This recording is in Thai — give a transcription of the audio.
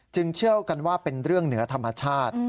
เชื่อกันว่าเป็นเรื่องเหนือธรรมชาติ